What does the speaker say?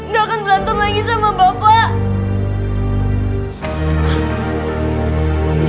gak akan berantem lagi sama bapak